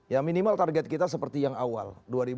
ya minimal target kita seperti yang awal